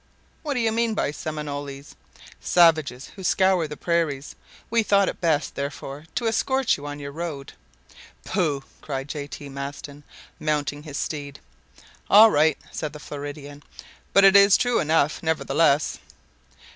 "What do you mean by Seminoles?" "Savages who scour the prairies. We thought it best, therefore, to escort you on your road." "Pooh!" cried J. T. Maston, mounting his steed. "All right," said the Floridan; "but it is true enough, nevertheless."